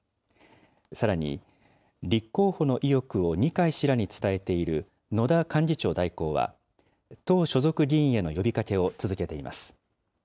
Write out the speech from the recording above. さらに、立候補の意欲を二階氏らに伝えている野田幹事長代行は、党所属議員への呼びかけを続けています。